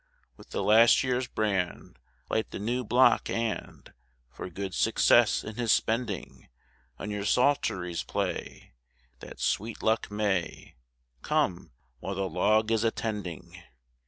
With the last year's brand Light the new block, and For good success in his spending, On your psalteries play, That sweet luck may Come while the log is a tending.